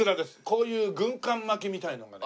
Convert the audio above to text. こういう軍艦巻きみたいのがね。